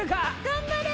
頑張れ！